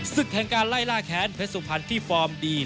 ศึกแห่งการไล่ล่าแค้นเพชรสุพรรณที่ฟอร์มดี